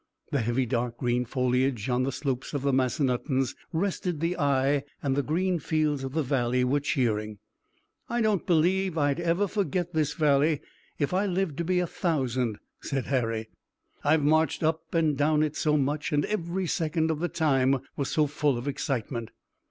The heavy dark green foliage on the slopes of the Massanuttons rested the eye and the green fields of the valley were cheering. "I don't believe I'd ever forget this valley if I lived to be a thousand," said Harry. "I've marched up and down it so much and every second of the time was so full of excitement."